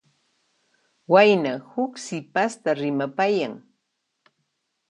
Wayna huk sipasta rimapayan.